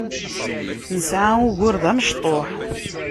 Nesεa ugur d amecṭuḥ.